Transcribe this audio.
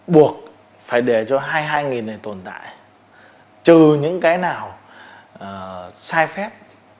buộc phải để cho hai mươi hai này tồn tại trừ những cái nào sai phép